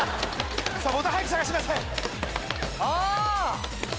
ボタン早く探してください。